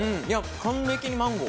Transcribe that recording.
完璧にマンゴー。